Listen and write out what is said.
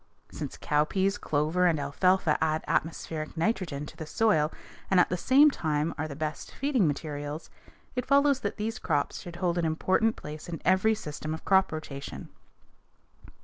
Since cowpeas, clover, and alfalfa add atmospheric nitrogen to the soil and at the same time are the best feeding materials, it follows that these crops should hold an important place in every system of crop rotation.